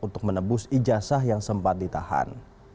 untuk menebus ijazah yang sempat ditahan